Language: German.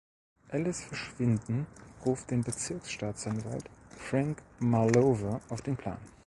Alices Verschwinden ruft den Bezirksstaatsanwalt Frank Marlowe auf den Plan.